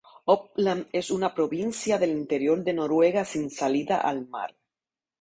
Oppland es una provincia del interior de Noruega sin salida al mar.